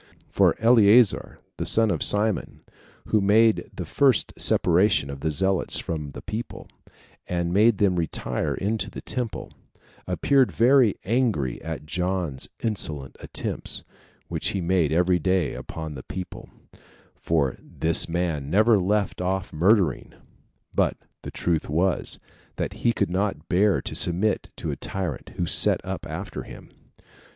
2. For Eleazar, the son of Simon, who made the first separation of the zealots from the people, and made them retire into the temple, appeared very angry at John's insolent attempts, which he made everyday upon the people; for this man never left off murdering; but the truth was, that he could not bear to submit to a tyrant who set up after him.